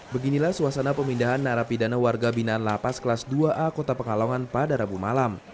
beginilah suasana pemindahan narapidana warga binaan lapas kelas dua a kota pekalongan pada rabu malam